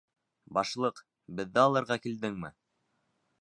— Башлыҡ, беҙҙе алырға килдеңме?